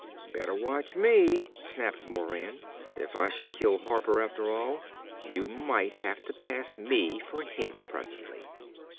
_" "Better watch me!" snapped Moran. "If I should kill Harper after all, you might have to pass me for him presently!"